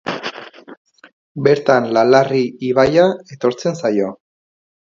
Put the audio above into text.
Bertan La Larri ibaia etortzen zaio.